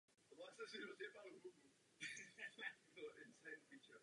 Měly mohutné nárazníky vpředu i vzadu.